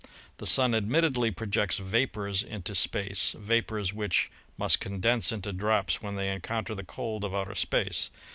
The Sun admittedly projects vapors into space, vapors which must condense into drops when they encounter the cold of outer space.